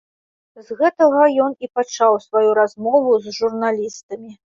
З гэтага ён і пачаў сваю размову з журналістамі.